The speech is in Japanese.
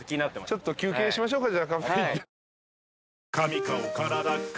ちょっと休憩しましょうか。